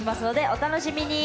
お楽しみに！